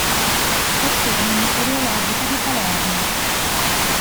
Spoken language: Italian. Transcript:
Stazione meteorologica di Palermo